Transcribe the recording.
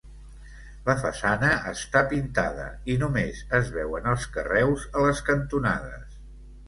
La façana està pintada i només es veuen els carreus a les cantonades.